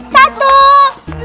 satu dua tiga